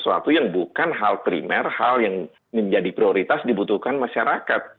sesuatu yang bukan hal primer hal yang menjadi prioritas dibutuhkan masyarakat